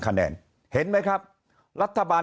เพราะสุดท้ายก็นำไปสู่การยุบสภา